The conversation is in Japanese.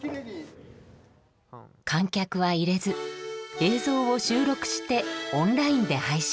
観客は入れず映像を収録してオンラインで配信。